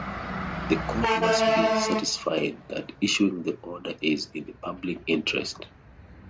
The court must be satisfied that issuing the order is in the public interest.